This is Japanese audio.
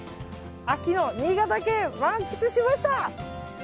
秋の新潟県、満喫しました！